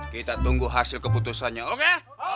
kita tunggu hasil keputusannya oke